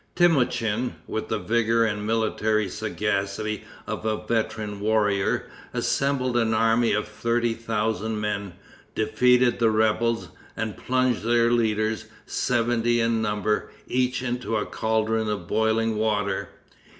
Temoutchin, with the vigor and military sagacity of a veteran warrior, assembled an army of thirty thousand men, defeated the rebels, and plunged their leaders, seventy in number, each into a caldron of boiling water.